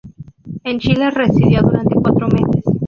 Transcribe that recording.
En Chile residió durante cuatro meses.